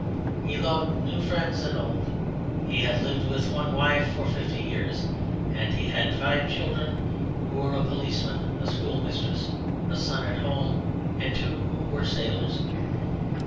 He loved new friends and old. He had lived with one wife for fifty years, and he had five children, who were a policeman, a schoolmistress, a son at home, and two who were sailors.